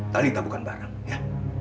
tali tabungan barang ya